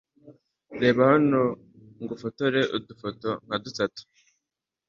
Reba hano ngufotore udufoto nka dutatu .